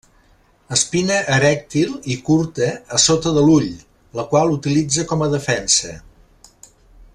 Espina erèctil i curta a sota de l'ull, la qual utilitza com a defensa.